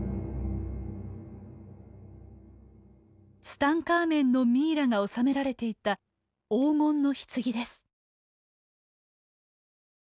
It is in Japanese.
ツタンカーメンのミイラが納められていた黄金の棺です。